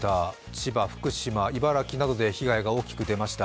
千葉、福島、茨城などで被害が大きく出ました。